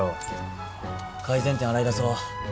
改善点洗い出そう。